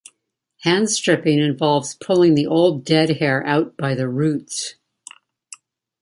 Hand stripping involves pulling the old dead hair out by the roots.